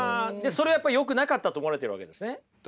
それはやっぱりよくなかったと思われてるわけですね。